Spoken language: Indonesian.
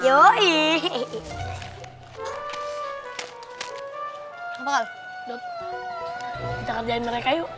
dot kita kerjain mereka yuk